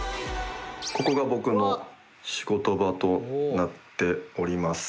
ここが僕の仕事場となっております。